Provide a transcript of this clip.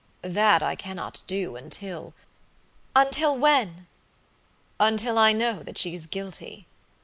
"That I cannot do until" "Until when?" "Until I know that she is guilty."